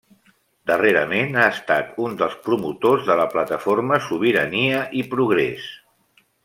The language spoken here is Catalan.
Darrerament ha estat un dels promotors de la plataforma Sobirania i Progrés.